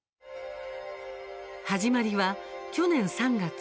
始まりは去年３月。